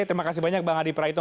terima kasih banyak bang adi praitno